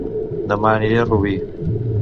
Dema aniré a Rubí